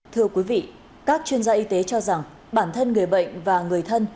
thưa quý vị các chuyên gia y tế cho rằng bản thân người bệnh và người thân